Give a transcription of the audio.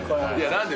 何で。